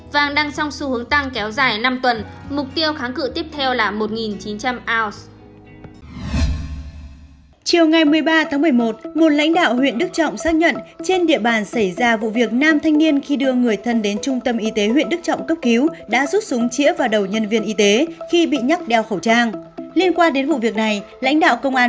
vàng đang trong xu hướng tăng kéo dài năm tuần mục tiêu kháng cự tiếp theo là một chín trăm linh oz